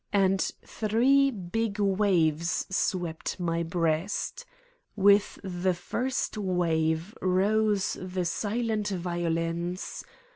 And three big waves swept my breast. With the first wave rose the silent violins .